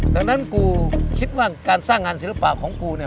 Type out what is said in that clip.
ดังนั้นกูคิดว่าการสร้างงานศิลปะของกูเนี่ย